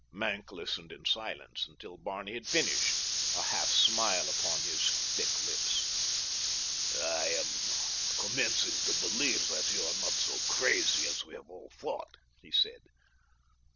Maenck listened in silence until Barney had finished, a half smile upon his thick lips. "I am commencing to believe that you are not so crazy as we have all thought," he said.